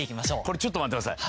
これちょっと待ってください。